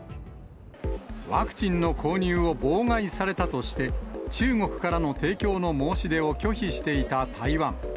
ワクチンの購入を妨害されたとして、中国からの提供の申し出を拒否していた台湾。